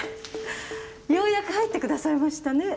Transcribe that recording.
ようやく入ってくださいましたね。